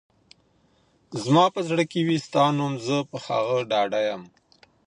زما په زړه کي وي ستا نوم ، زه په هغه ډاډه يم